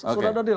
sudah ada deal